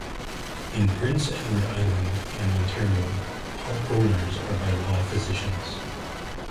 In Prince Edward Island, and Ontario, all coroners are, by law, physicians.